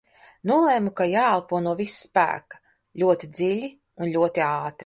Nolēmu, ka jāelpo no visa spēka ļoti dziļi un ļoti ātri.